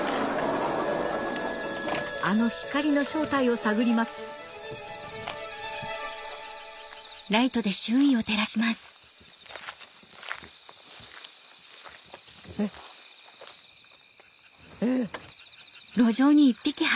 あの光の正体を探りますえっえ。